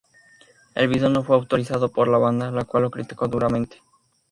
El video no fue autorizado por la banda, la cual lo criticó duramente.